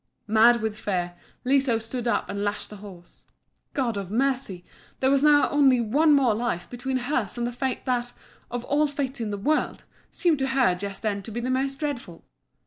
Mad with fear, Liso stood up and lashed the horse. God of mercy! there was now only one more life between hers and the fate that, of all fates in the world, seemed to her just then to be the most dreadful.